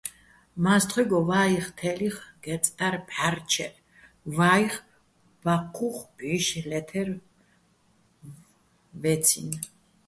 მა́სთხუჲგო ვაიხ თე́ლ'ი́ვხ გერწ დარ ბჵა́რჩეჸ, ვაიხ ბაჴჴუ́ხ ბჵი́შ ლე́თერ ვაჲციჼ.